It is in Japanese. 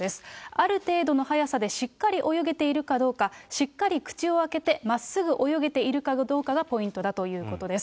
ある程度の速さでしっかり泳げているかどうか、しっかり口を開けてまっすぐ泳げているかどうかがポイントだということです。